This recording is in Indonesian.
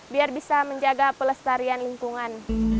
biar bisa menjaga pelestarian lingkungan